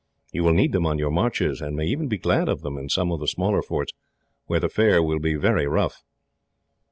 You will need them on your marches, and may even be glad of them in some of the smaller forts, where the fare will be very rough."